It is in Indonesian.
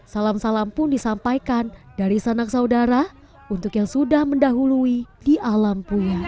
salam salam pun disampaikan dari sanak saudara untuk yang sudah mendahului di alam puya